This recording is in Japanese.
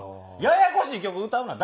ややこしい曲歌うな。